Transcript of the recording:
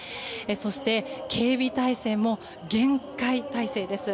そして、警備態勢も厳戒態勢です。